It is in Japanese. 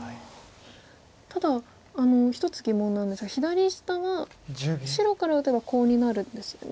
ただ１つ疑問なんですが左下は白から打てばコウになるんですよね。